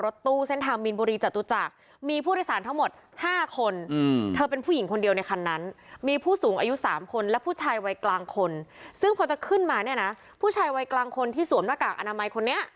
ซึ่งพอจะขึ้นมาเนี่ยนะผู้ชายวัยกลางคนที่สวมหน้ากากอนามัยคนนี้